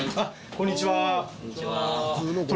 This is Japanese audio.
こんにちは。